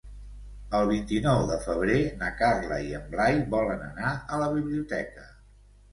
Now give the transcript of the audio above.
El vint-i-nou de febrer na Carla i en Blai volen anar a la biblioteca.